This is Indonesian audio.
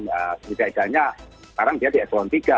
ya sejajarnya sekarang dia di ekspon tiga